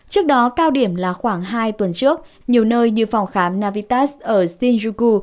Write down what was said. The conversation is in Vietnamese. trước đó cao điểm là khoảng hai tuần trước nhiều nơi như phòng khám navitas ở stynjuku